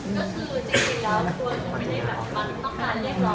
ก็คือ๒ล้าน๒ค่ะ